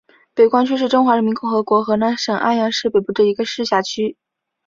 北关区是中华人民共和国河南省安阳市北部一个市辖区。